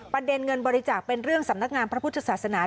ประเด็นเงินบริจาคเป็นเรื่องสำนักงานพระพุทธศาสนา